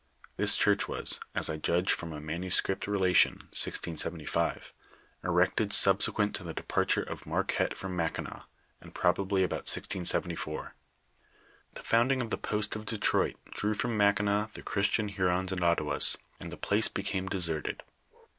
This church was, as I judge from a manuscript Relation (1675), erected subsequent to the departure of Marquette from Mackinaw, and probably about 1674. The founding of the post of Detroit drew from Mackinaw the Christian Hurons and Ottawas, and the place became deserted.